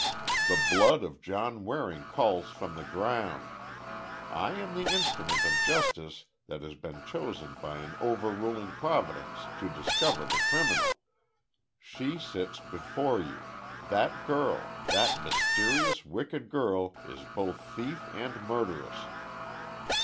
The blood of John Waring calls from the ground! I am the instrument of justice that has been chosen by an over ruling Providence to discover the criminal. She sits before you! That girl—that mysterious wicked girl is both thief and murderess!"